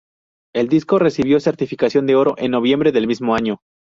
El disco recibió certificación de Oro en noviembre del mismo año.